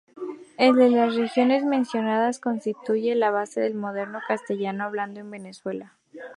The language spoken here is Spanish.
El de las regiones mencionadas constituye la base del moderno castellano hablado en Venezuela.